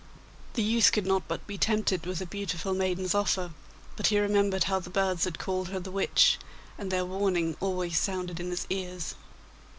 The youth could not but be tempted with the beautiful maiden's offer, but he remembered how the birds had called her the witch, and their warning always sounded in his ears.